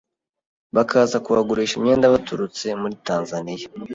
bakaza kuhagurisha imyenda baturutse muri Tanzania